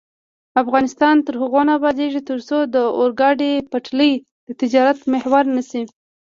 افغانستان تر هغو نه ابادیږي، ترڅو د اورګاډي پټلۍ د تجارت محور نشي.